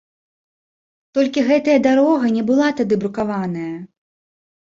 Толькі гэтая дарога не была тады брукаваная.